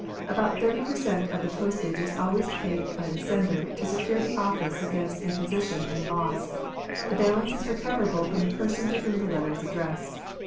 About thirty per cent, of the postage is always paid by the sender, to secure the ofiice against imposition and loss ; the balance is recoverable from the person to whom the letter is addressed.